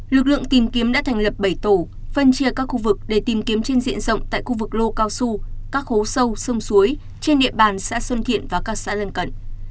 lực lượng tìm kiếm đã thành lập bảy tổ phân chia các khu vực để tìm kiếm trên diện rộng tại khu vực lô cao su các hố sâu sông suối trên địa bàn xã xuân kiện và các xã lân cận